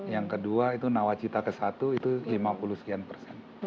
yang kedua itu nawacita ke satu itu lima puluh sekian persen